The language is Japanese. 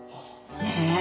ねえ。